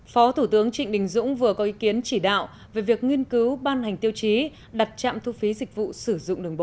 phó thủ tướng trịnh đình dũng vừa có ý kiến chỉ đạo về việc nghiên cứu ban hành tiêu chí đặt trạm thu phí dịch vụ sử dụng đường bộ